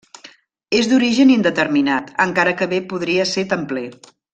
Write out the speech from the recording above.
És d'origen indeterminat encara que bé podria ser templer.